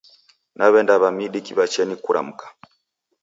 Naw'enda w'a midi kiwachenyi kuramka.